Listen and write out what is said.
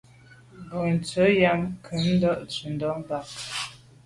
Bontse yàm kùmte ntshundà bag.